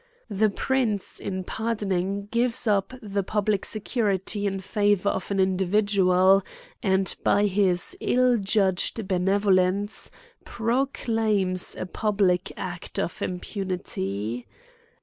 The prince in pardoning gives up the public security in favour of an individual, and, by his ill judged benevo lence, proclaims a public act of impunity.